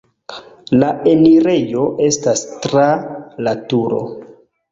La enirejo estas tra la turo.